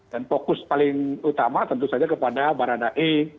dan fokus paling utama tentu saja kepada baradae